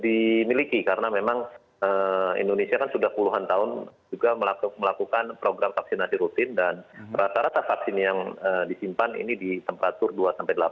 dimiliki karena memang indonesia kan sudah puluhan tahun juga melakukan program vaksinasi rutin dan rata rata vaksin yang disimpan ini di temperatur dua sampai delapan